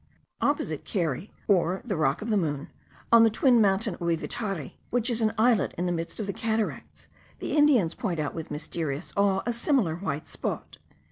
Opposite Keri, or the Rock of the Moon, on the twin mountain Ouivitari, which is an islet in the midst of the cataracts, the Indians point out with mysterious awe a similar white spot.